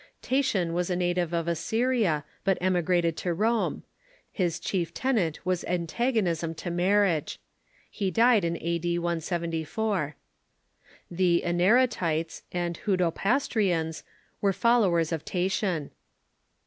Tatian was a native of Assyria, but emigrated to Rome. His chief tenet was an tagonism to marriage. He died a.d. 174. The Encratites and Hudropastrians Avere followers of Tatian.